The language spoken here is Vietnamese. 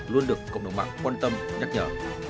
luôn được cộng đồng mạng quan tâm nhắc nhở